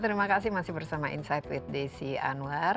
terima kasih masih bersama insight with desi anwar